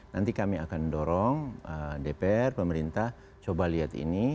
nanti kami akan dorong dpr pemerintah coba lihat ini